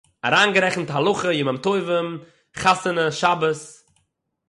אַריינגערעכנט הלכה, ימים טובים, חתונה, שבת